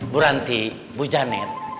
bu ranti bu janet